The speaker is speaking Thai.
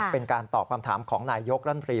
เป็นการตอบคำถามของนายยกรัฐมนตรี